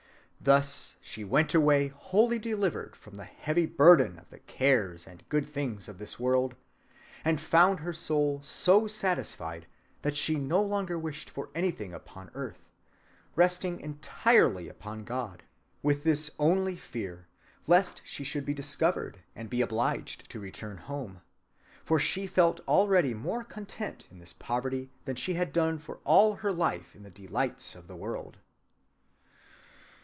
Thus she went away wholly delivered from the heavy burthen of the cares and good things of this world, and found her soul so satisfied that she no longer wished for anything upon earth, resting entirely upon God, with this only fear lest she should be discovered and be obliged to return home; for she felt already more content in this poverty than she had done for all her life in all the delights of the world."